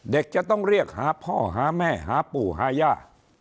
เด็กจะต้องเรียกหาพ่อหาแม่หาปู่หาย่า